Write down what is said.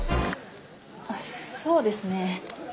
あっそうですね